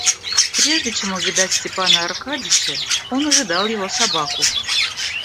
Прежде чем увидать Степана Аркадьича, он увидал его собаку.